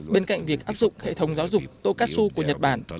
bên cạnh việc áp dụng hệ thống giáo dục tokatsu của nhật bản